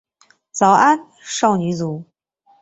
早安少女组。